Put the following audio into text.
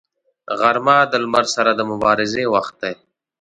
غرمه د لمر سره د مبارزې وخت دی